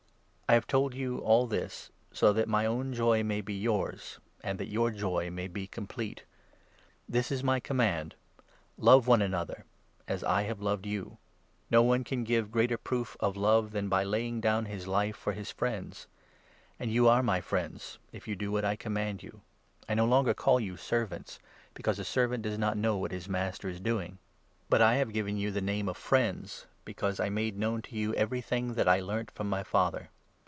I have told you all this so that my n own joy may be yours, and that your joy may be complete. This is my command — Love one another, as I have loved 12 you. No one can give greater proof of love than by laying 13 down his life for his friends. And you are. my friends, if you 14 do what I command you. I no longer calljmi 'servants,' 15 because a servant does not know what his master is doing ; JOHN, 15 16. 197 but I have given you the name of 'friends,' because I made known to you everything that I learnt from my Father.